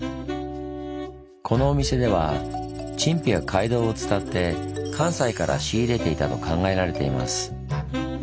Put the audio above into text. このお店では陳皮は街道を伝って関西から仕入れていたと考えられています。